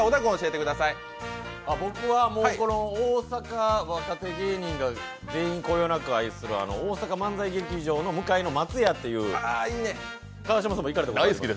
僕は大阪若手芸人が全員こよなく愛する大阪漫才劇場の向いの松屋っていう川島さんも行かれたことあります？